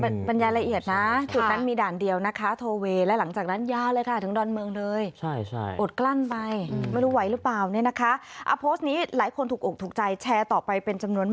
ถ่ายให้เราดูอีกเปล่า